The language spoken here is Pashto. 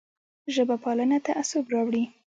ژب پالنه تعصب راوړي